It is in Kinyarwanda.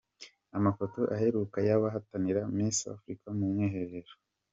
Amafoto aheruka y’abahatanira Miss Africa mu mwiherero.